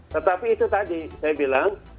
tetapi itu tadi saya bilang